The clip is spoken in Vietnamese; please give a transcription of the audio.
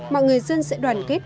mọi người dân sẽ đoàn kết